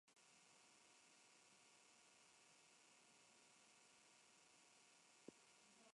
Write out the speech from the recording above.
Frecuentó el colegio de San Antón, que era el seminario del obispado de Cuzco.